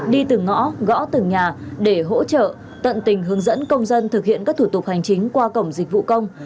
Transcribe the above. đi từng ngõ gõ từng nhà để hỗ trợ tận tình hướng dẫn công dân thực hiện các thủ tục hành chính qua cổng dịch vụ công